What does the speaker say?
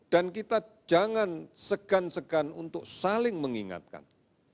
dan kita jangan segan segan untuk saling mengingatkan